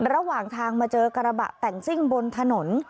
ระหว่างทางมาเจอกระบะแต่งซิ่งบนถนน